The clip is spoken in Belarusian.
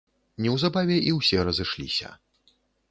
Неўзабаве і ўсе разышліся.